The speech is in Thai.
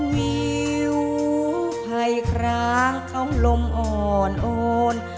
วิวภัยคร้างเขาลมอ่อนโอน